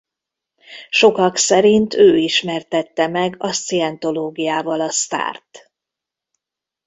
Sokak szerint ő ismertette meg a szcientológiával a sztárt.